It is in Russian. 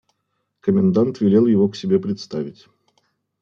Комендант велел его к себе представить.